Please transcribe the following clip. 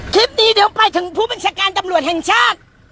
คลิปนี้เดี๋ยวไปถึงผู้บัญชาการตำรวจแห่งชาติ